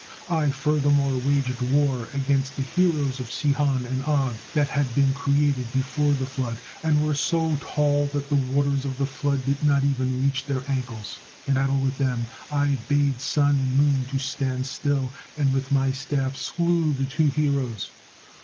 I furthermore waged war against the heroes of Sihon and Og, that had been created before the flood and were so tall that the waters of the flood did not even reach their ankles. In battle with them I bade sun and moon to stand still, and with my staff slew the two heroes.